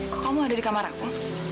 kok kamu ada di kamar aku